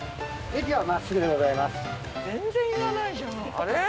あれ？